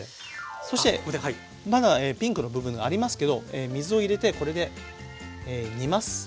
そしてまだピンクの部分がありますけど水を入れてこれで煮ます。